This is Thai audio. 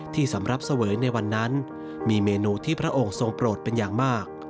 สำหรับเสวยในวันนั้นมีเมนูที่พระองค์ทรงโปรดเป็นอย่างมาก